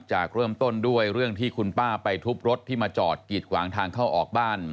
เริ่มต้นด้วยเรื่องที่คุณป้าไปทุบรถที่มาจอดกีดขวางทางเข้าออกบ้าน